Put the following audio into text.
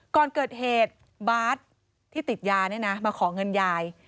ก่อนเกิดเหตุบาสที่ติดยาเนี่ยนะมาขอเงินยาย